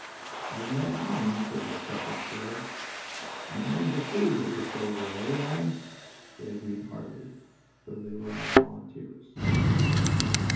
"I've met our'n," said the Sussex boy. "A man's a fool to be a soldier. Eh, lads?" They agreed heartily, though they were all volunteers.